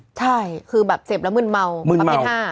ใช่คือแบบเสพแล้วมึนเมาประเภท๕